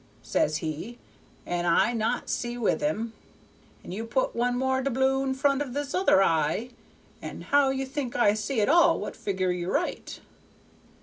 _' says he, 'an' I not see with him; and you put one more doubloon front of other eye, and how you think I see at all what figger you write?'